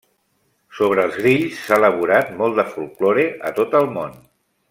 Sobre els grills s'ha elaborat molt de folklore a tot el món.